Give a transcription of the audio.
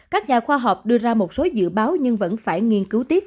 các nhà khoa học đưa ra một số dự báo nhưng vẫn phải nghiên cứu tiếp